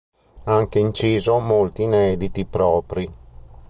Ha anche inciso molti inediti propri.